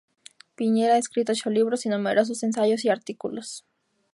Piñera ha escrito ocho libros y numerosos ensayos y artículos.